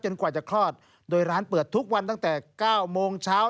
กว่าจะคลอดโดยร้านเปิดทุกวันตั้งแต่๙โมงเช้า